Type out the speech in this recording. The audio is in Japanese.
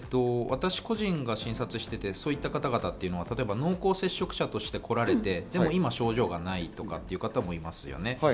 私個人が診察していてそういった方々というのは濃厚接触者として来られて、今症状がないとか言う方もいますよね。